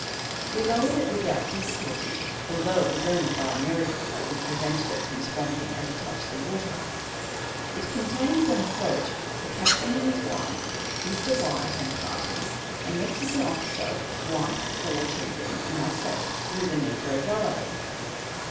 We lowered it without difficulty, although it was only by a miracle that we prevented it from swamping as it touched the water. It contained, when afloat, the cap tain and his wife, Mr. Wyatt and party, a Mexican officer, wife, four children, and myself, with a negro valet.